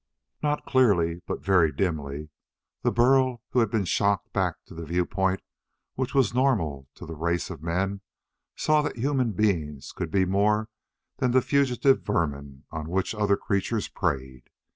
Not clearly but very dimly, the Burl who had been shocked back to the viewpoint which was normal to the race of men saw that human beings could be more than the fugitive vermin on which other creatures preyed.